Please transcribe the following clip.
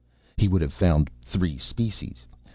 He would have found three species.